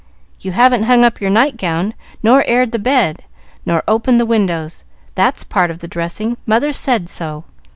"You haven't hung up your night gown, nor aired the bed, nor opened the windows. That's part of the dressing; mother said so.